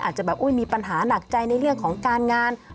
อาจจะแบบมีปัญหาหนักใจในเรื่องของการงาน